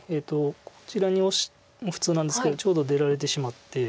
こちらにオシも普通なんですけどちょうど出られてしまって。